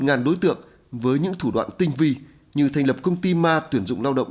ngàn đối tượng với những thủ đoạn tinh vi như thành lập công ty ma tuyển dụng lao động